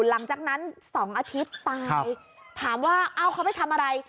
หลังจากนั้น๒อาทิตย์ตายถามว่าเอ้าเขาไปทำอะไร